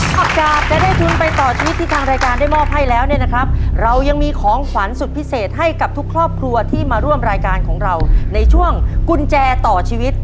ออกจากจะได้ทุนไปต่อชีวิตที่ทางรายการได้มอบให้แล้วเนี่ยนะครับเรายังมีของขวัญสุดพิเศษให้กับทุกครอบครัวที่มาร่วมรายการของเราในช่วงกุญแจต่อชีวิต